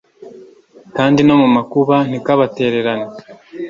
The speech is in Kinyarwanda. kandi no mu makuba ntikabatererane